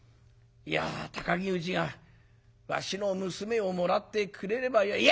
いや高木氏がわしの娘をもらってくれればよい」。